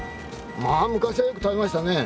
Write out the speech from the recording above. まあ昔はよく食べましたね。